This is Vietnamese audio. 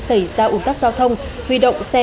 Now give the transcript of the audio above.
xảy ra ủng tắc giao thông huy động xe